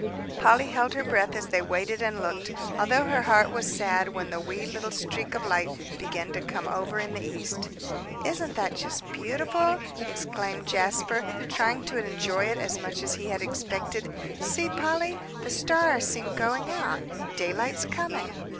Polly held her breath as they waited and looked, although her heart was sad when the wee little streak of light began to come over in the east. "Isn't that just beautiful!" exclaimed Jasper, trying to enjoy it as much as he had expected; "see, Polly, the stars seem going out daylight's coming!"